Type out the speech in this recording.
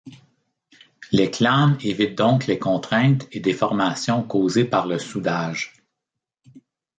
Les clames évitent donc les contraintes et déformations causées par le soudage.